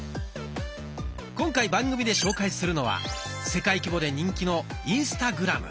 今回番組で紹介するのは世界規模で人気の「インスタグラム」。